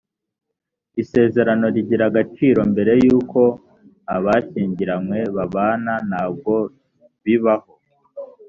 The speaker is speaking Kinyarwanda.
iszerano rigira agaciro mbere y’uko abashyingiranywe babana ntabwo bibaho